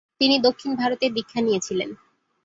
তিনি দক্ষিণ ভারতে দীক্ষা নিয়েছিলেন।